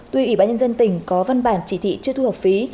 tuy ủy ban nhân dân tỉnh có văn bản chỉ thị chưa thu học phí